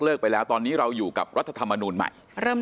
ไปแล้วตอนนี้เราอยู่กับรัฐธรรมนูลใหม่เริ่ม